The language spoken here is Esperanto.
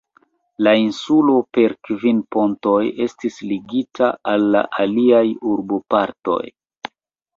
La insulo per kvin pontoj estis ligita al la aliaj urbopartoj.